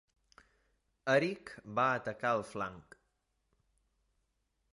Eric va atacar el flanc.